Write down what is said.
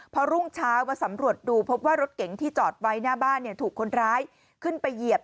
พอรุ่งเช้ามาสำรวจดูพบว่ารถเก๋งที่จอดไว้หน้าบ้านถูกคนร้ายขึ้นไปเหยียบ